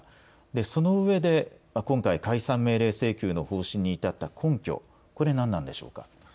そのうえで今回、解散命令請求の方針に至った根拠、これは何でしょうか。